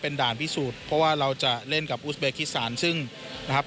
ด่านพิสูจน์เพราะว่าเราจะเล่นกับอุสเบคิสานซึ่งนะครับ